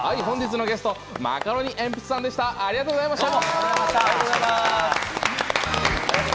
本日のゲスト、マカロニえんぴつさんでした、ありがとうございました！